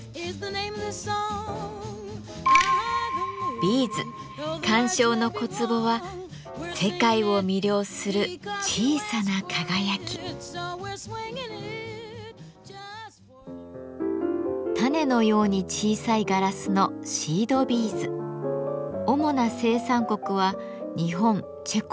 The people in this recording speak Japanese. ビーズ鑑賞の小壺は種のように小さいガラスの主な生産国は日本チェコ